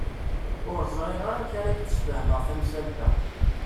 Ur ẓriɣ ara amek ara ak-d-sfehmeɣ tamsalt-a.